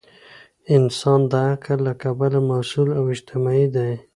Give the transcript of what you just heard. انسان د عقل له کبله مسؤل او اجتماعي دی.